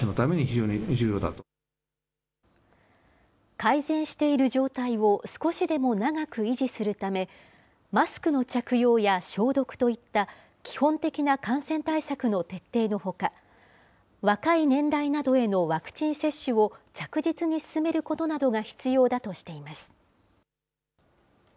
改善している状態を少しでも長く維持するため、マスクの着用や消毒といった基本的な感染対策の徹底のほか、若い年代などへのワクチン接種を着実に進めることなどが必要だとしています。